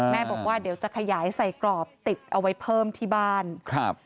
บอกว่าเดี๋ยวจะขยายใส่กรอบติดเอาไว้เพิ่มที่บ้านครับ